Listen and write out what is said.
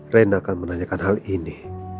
rena akan menanyakan hal ini